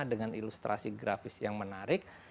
dengan ilustrasi grafis yang menarik